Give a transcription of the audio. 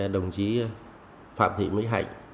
đồng chí phạm thị mỹ hạnh